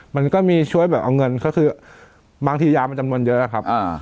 มันก็มีช่วยแบบเอาเงินก็คือบางทียามันจำนวนเยอะครับ